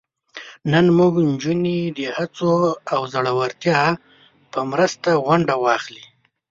نن زموږ نجونې د هڅو او زړورتیا په مرسته ونډه واخلي.